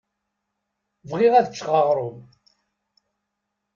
Bɣiɣ ad ččeɣ aɣṛum.